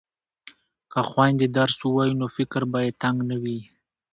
که خویندې درس ووایي نو فکر به یې تنګ نه وي.